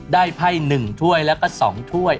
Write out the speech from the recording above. ได้ไพ่หนึ่งถ้วยแล้วก็สองถ้วย